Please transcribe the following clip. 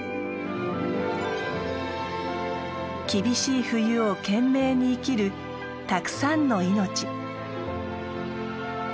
厳しい冬を懸命に生きるたくさんの命。